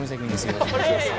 よろしくお願いします。